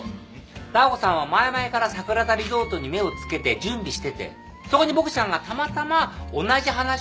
ダー子さんは前々から桜田リゾートに目を付けて準備しててそこにボクちゃんがたまたま同じ話を持ってきたから。